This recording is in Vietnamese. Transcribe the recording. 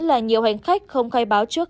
là nhiều hành khách không khai báo trước